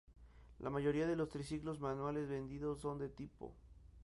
La mayoría de los triciclos manuales vendidos son de este tipo.